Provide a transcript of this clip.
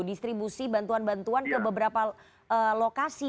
distribusi bantuan bantuan ke beberapa lokasi